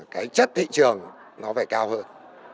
cái chất thị trường nó phải cao hơn